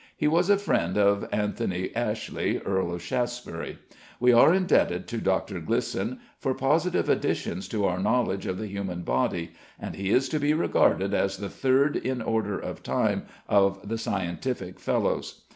He was a friend of Anthony Ashley, Earl of Shaftesbury. We are indebted to Dr. Glisson for positive additions to our knowledge of the human body, and he is to be regarded as the third in order of time of the scientific Fellows.